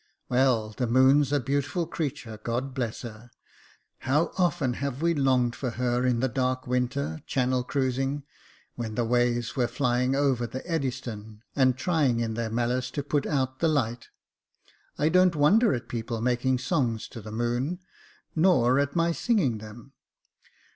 " "Well, the moon's a beautiful creature — God bless her ! How often have we longed for her in the dark winter, channel cruising, when the waves were flying over the Eddystone, and trying in their malice to put out the light. I don't wonder at people making songs to the moon, nor at my singing them.